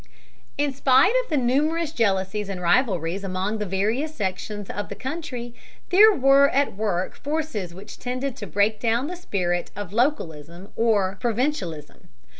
In spite of the numerous jealousies and rivalries among the various sections of the country, there were at work forces which tended to break down the spirit of localism or provincialism.